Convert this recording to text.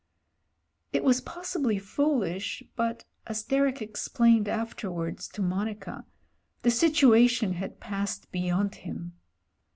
It was possibly foolish, but, as Derek explained afterwards to Monica, the situation had passed beyond him.